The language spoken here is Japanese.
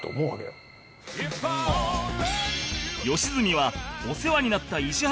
良純はお世話になった石原プロを退社